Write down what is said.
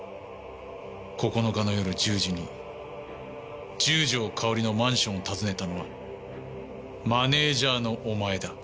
９日の夜１０時に十条かおりのマンションを訪ねたのはマネージャーのお前だ。